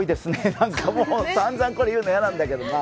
さんざんこれ言うの嫌なんだけどな。